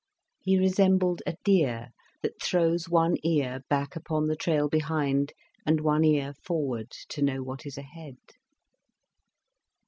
He resembled a deer, that throws one ear back upon the trail behind, and one ear forward, to know what is ahead.